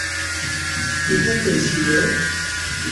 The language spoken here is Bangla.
এটা কে ছিল?